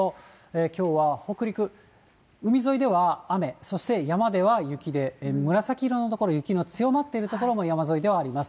きょうは北陸、海沿いでは雨、そして山では雪で、紫色の所、雪の強まっている所も山沿いではあります。